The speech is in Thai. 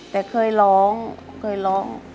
แต่เคยร้อง